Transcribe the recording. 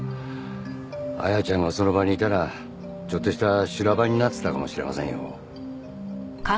綾ちゃんがその場にいたらちょっとした修羅場になってたかもしれませんよ。